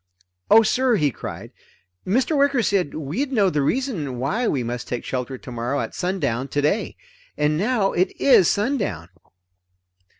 "Oh sir!" he cried, "Mr. Wicker said we'd know the reason why we must take shelter tomorrow at sundown today. And now it is sundown!"